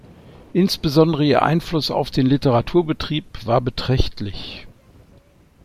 Insbesondere ihr Einfluss auf den Literaturbetrieb war beträchtlich.